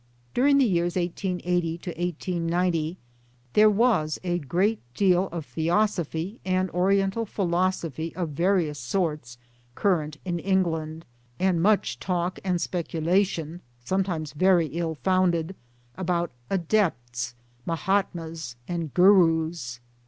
During the years '80 to '90 there was a great deal of Theosophy and Oriental philosophy of various sorts current in England, and much talk and speculation, sometimes very ill founded, about * adepts/ ' mahatmas,' and ' gurus.